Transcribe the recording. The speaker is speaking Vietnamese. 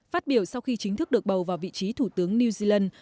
phát biểu sau khi chính thức được bầu vào vị trí thủ tướng new zealand